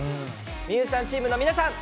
美優さんチームの皆さん。